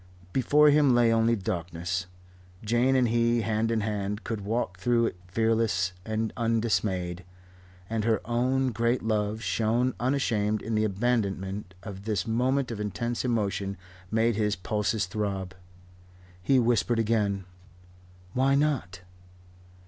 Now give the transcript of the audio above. Before him lay only darkness. Jane and he, hand in hand, could walk through it fearless and undismayed. And her own great love, shown unashamed in the abandonment of this moment of intense emotion' made his pulses throb. He whispered again: "Why not?"